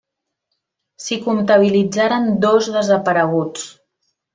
S'hi comptabilitzaren dos desapareguts.